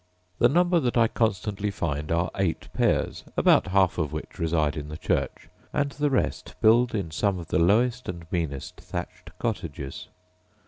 The number that I constantly find are eight pairs; about half of which reside in the church, and the rest build in some of the lowest and meanest thatched cottages.